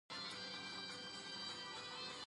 د مېلو یوه برخه د موسیقۍ محفلونه يي.